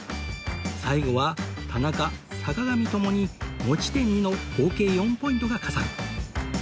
最後は田中坂上ともに持ち点２の合計４ポイントが加算